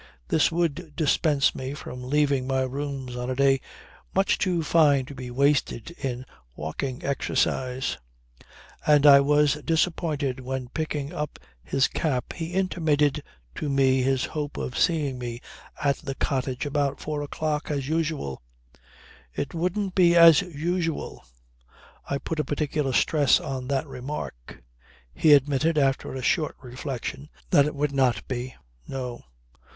This would dispense me from leaving my rooms on a day much too fine to be wasted in walking exercise. And I was disappointed when picking up his cap he intimated to me his hope of seeing me at the cottage about four o'clock as usual. "It wouldn't be as usual." I put a particular stress on that remark. He admitted, after a short reflection, that it would not be. No.